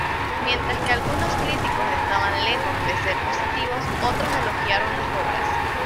Mientras que algunos críticos estaban lejos de ser positivos, otros elogiaron las obras.